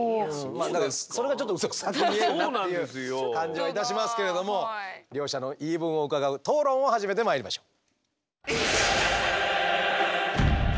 だからそれがちょっと嘘くさく見えるなっていう感じはいたしますけれども両者の言い分を伺う討論を始めてまいりましょう。